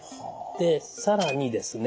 で更にですね